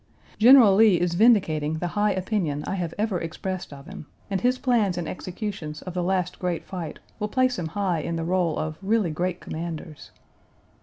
General Lee is vindicating the high opinion I have ever expressed of him, and his plans and executions of the last great fight will place him high in the roll of really great commanders.